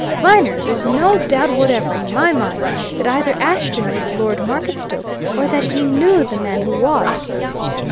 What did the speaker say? Viner, there's no doubt whatever in my mind that either Ashton was Lord Marketstoke or that he knew the man who was!"